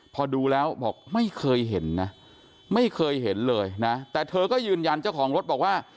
พอดูแล้วบอกไม่เคยเห็นนะไม่เคยเห็นเลยนะแต่เธอก็ยืนยันเจ้าของรถบอกว่า